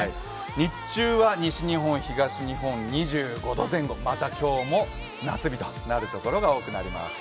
日中は西日本、東日本で２５度前後、まだ今日も夏日となるところが多くなります。